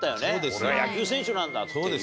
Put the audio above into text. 俺は野球選手なんだっていう。